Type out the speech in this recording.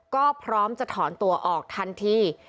ก็พร้อมจะถอนตัวออกทันที